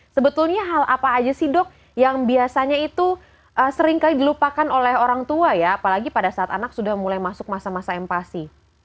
sebetulnya hal apa aja sih dok yang biasanya itu seringkali dilupakan oleh orang tua ya apalagi pada saat anak sudah mulai masuk masa masa empasi